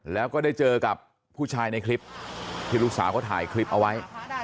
แล้วก็ได้เจอกับผู้ชายในคลิปที่ลูกสาวเขาถ่ายคลิปเอาไว้